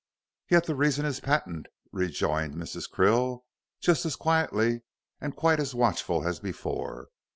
"Yet the reason is patent," rejoined Mrs. Krill, just as quietly and quite as watchful as before.